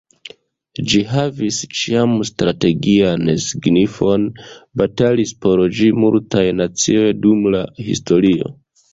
Ĝi havis ĉiam strategian signifon, batalis por ĝi multaj nacioj dum la historio.